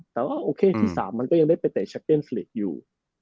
แต่ว่าโอเคที่๓มันก็ยังได้ไปเตะแชเก็นสลีกอยู่